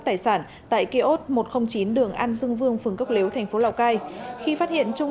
tài sản tại kiosk một trăm linh chín đường an dương vương phường cốc lếu thành phố lào cai khi phát hiện trung